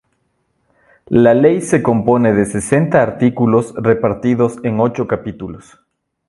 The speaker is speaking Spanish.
La ley se compone de sesenta artículos, repartidos en ocho capítulos.